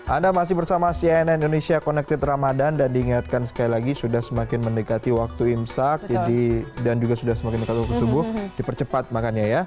anda masih bersama cnn indonesia connected ramadhan dan diingatkan sekali lagi sudah semakin mendekati waktu imsak dan juga sudah semakin dekat waktu subuh dipercepat makanya ya